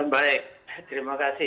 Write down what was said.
baik terima kasih